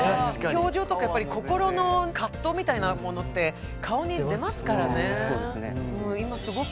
表情とかやっぱり心の葛藤みたいなものって顔に出ますからね。